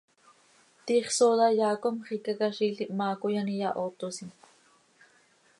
Tiix sooda yaa com xicaquiziil ihmaa coi an iyahootosim.